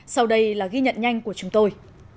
sau đây là ghi nhận nhanh của chúng tôi